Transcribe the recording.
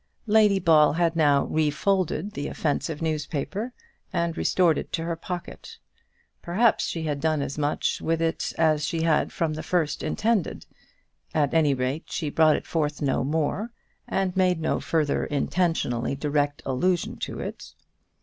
Lady Ball had now refolded the offensive newspaper, and restored it to her pocket. Perhaps she had done as much with it as she had from the first intended. At any rate, she brought it forth no more, and made no further intentionally direct allusion to it.